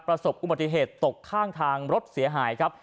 ประสบอุบัติเหตุตกข้างทางรถเสียหายครับ